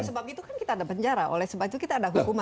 oleh sebab itu kita ada penjara kita ada hukuman